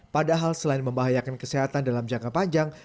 padahal selain membahayakan kesehatan dalam jangka panjang